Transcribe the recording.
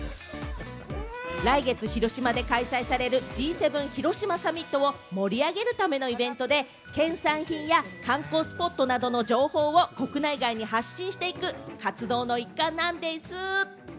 来月、広島で開催されるＧ７広島サミットを盛り上げるためのイベントで、県産品や観光スポットなどの情報を国内外に発信していく活動の一環なんでぃす！